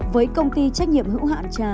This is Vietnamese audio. với công ty trách nhiệm hữu hạn chà